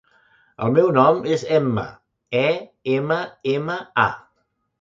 El meu nom és Emma: e, ema, ema, a.